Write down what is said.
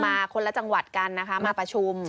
มาคนละจังหวัดกันมาประชุม